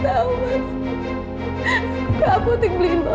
tidak aku tidak boleh mama